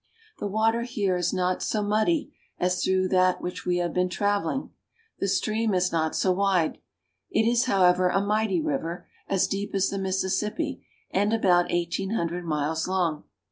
\ The water here is not so muddy as that through which we have been traveling. The stream is not so wide. It is, however, a mighty river, as deep as the Mississippi, and about eighteen hundred miles long.